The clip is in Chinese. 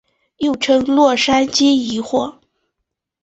又称洛杉矶疑惑。